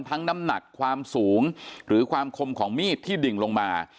น้ำหนักความสูงหรือความคมของมีดที่ดิ่งลงมา